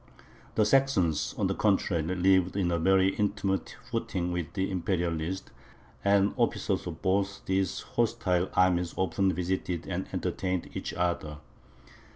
The Saxons, on the contrary, lived on a very intimate footing with the Imperialists, and the officers of both these hostile armies often visited and entertained each other.